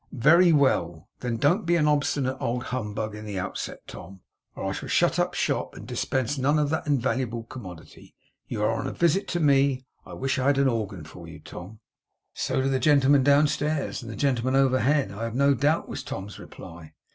'Very well. Then don't be an obstinate old humbug in the outset, Tom, or I shall shut up shop and dispense none of that invaluable commodity. You are on a visit to me. I wish I had an organ for you, Tom!' 'So do the gentlemen downstairs, and the gentlemen overhead I have no doubt,' was Tom's reply.